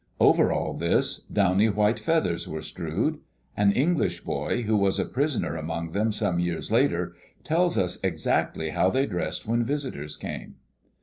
Over all this, downy white feathers were strewed. An English boy, who was a prisoner among them some years later, tells us exactly how they dressed when visitors came.